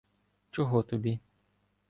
— Чого тобі?!